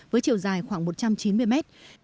với chiều dài khoảng một trăm chín mươi mét